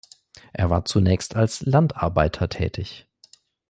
Er war zunächst als Landarbeiter tätig.